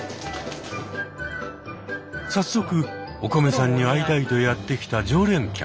早速おこめさんに会いたいとやって来た常連客が。